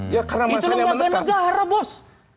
itu lembaga negara bos